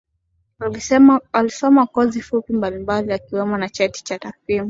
Alisoma kozi fupi mbali mbali ikiwemo ya cheti cha takwimu